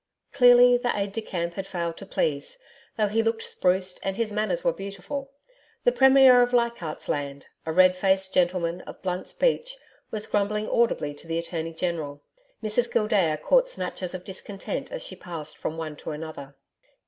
Clearly, the aide de camp had failed to please, though he looked spruced and his manners were beautiful. The Premier of Leichardt's Land, a red faced gentleman of blunt speech, was grumbling audibly to the Attorney General. Mrs Gildea caught snatches of discontent as she passed from one to another.